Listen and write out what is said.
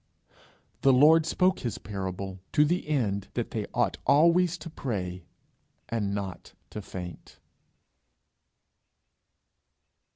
The Lord spoke his parable 'to the end that they ought always to pray, and not to faint.'